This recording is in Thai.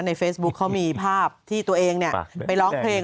เฟซบุ๊คเขามีภาพที่ตัวเองไปร้องเพลง